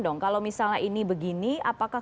dong kalau misalnya ini begini apakah